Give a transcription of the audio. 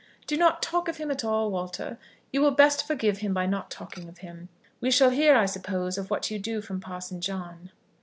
"Do not talk of him at all, Walter. You will best forgive him by not talking of him. We shall hear, I suppose, of what you do from Parson John."